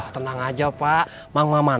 tenang aja pak